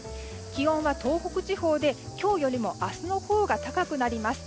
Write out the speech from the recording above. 気温は東北地方で今日よりも明日のほうが高くなります。